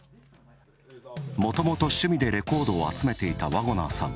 もともと趣味でレコードを集めていたワゴナーさん。